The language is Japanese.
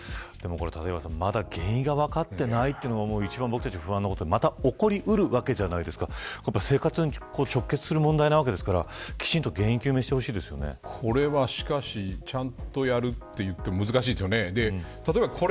立岩さん、まだ原因が分かっていないというのも僕たち、一番不安でまた起こりうるわけじゃないですか生活に直結する問題なわけですからきちんとこれは、しかしちゃんとやると言っても難しいですよね。